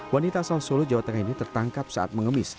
wanita asal solo jawa tengah ini tertangkap saat mengemis